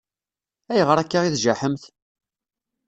Ayɣer akka i tjaḥemt?